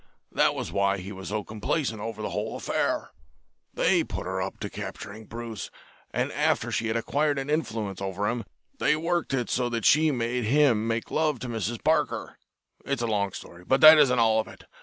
That was why he was so complacent over the whole affair. They put her up to capturing Bruce, and after she had acquired an influence over him they worked it so that she made him make love to Mrs. Parker. It's a long story, but that isn't all of it.